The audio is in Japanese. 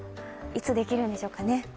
いつできるんでしょうかね。